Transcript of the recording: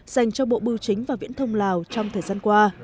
dành cho bộ bưu chính và viễn thông lào trong thời gian qua